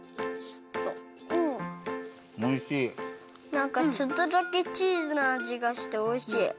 なんかちょっとだけチーズのあじがしておいしい。